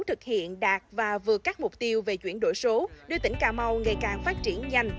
thực hiện đạt và vượt các mục tiêu về chuyển đổi số đưa tỉnh cà mau ngày càng phát triển nhanh